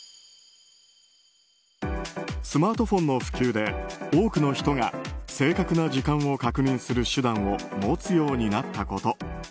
スマートフォンの普及で多くの人が正確な時間を確認する手段を持つようになったこと。